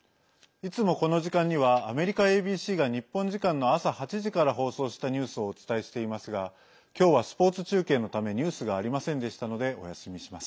いつも、この時間にはアメリカＡＢＣが日本時間の朝８時から放送したニュースをお伝えしていますが今日はスポーツ中継のためニュースがありませんでしたのでお休みします。